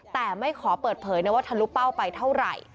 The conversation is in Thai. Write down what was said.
แต่ไม่ขอเปิดเผยนะว่าทะลุเป้าไปเท่าไหร่